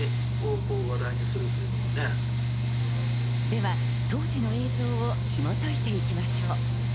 では当時の映像をひもといていきましょう。